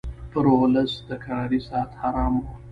پر اولس د کرارۍ ساعت حرام وو